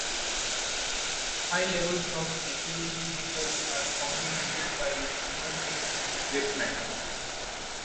High levels of natural snowfall are complemented by snowmaking equipment.